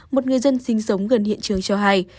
một người dân sinh sống gần hiện trường cho hay